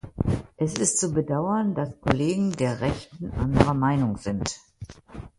Es ist zu bedauern, dass Kollegen der Rechten anderer Meinung sind.